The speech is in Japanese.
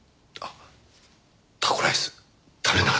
タコライス食べられなかったから。